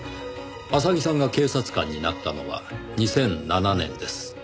浅木さんが警察官になったのは２００７年です。